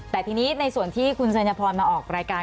แต่ทีนี้ในส่วนที่คุณสัญพรมาออกรายการ